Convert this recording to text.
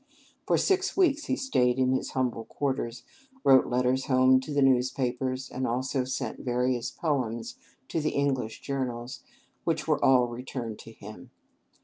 For six weeks he staid in his humble quarters, wrote letters home to the newspapers, and also sent various poems to the English journals, which were all returned to him.